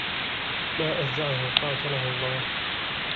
مَا أَشْجَعَهُ قَاتَلَهُ اللَّهُ